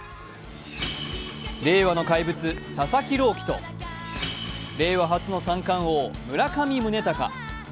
令和の怪物・佐々木朗希と令和初の三冠王・村上宗隆。